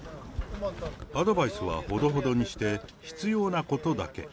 アドバイスはほどほどにして、必要なことだけ。